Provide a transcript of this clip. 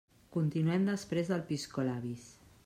Continuem després del piscolabis.